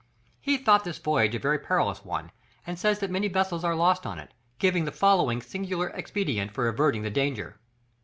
He thought this voyage a very perilous one, and says that many vessels are lost on it, giving the following singular expedient for averting the danger.